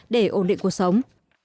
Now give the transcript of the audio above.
để ổn định cuộc sống